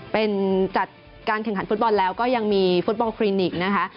เป็นจัดการแข่งขันฟุตบอลแล้วก็ยังมีฟุตบอลคลินิกนะคะ